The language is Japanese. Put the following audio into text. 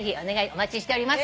お待ちしております。